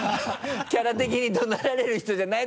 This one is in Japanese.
キャラ的に怒鳴られる人じゃない。